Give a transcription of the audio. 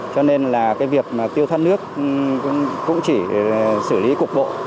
cho nên việc tiêu thoát nước cũng chỉ xử lý cục bộ